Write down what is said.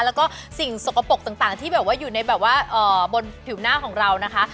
แล้วก็สิ่งสกปรกต่างที่แบบว่าอยู่ในแบบว่าบนผิวหน้าของเรานะคะ